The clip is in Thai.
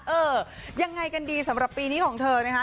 เออยังไงกันดีสำหรับปีนี้ของเธอนะคะ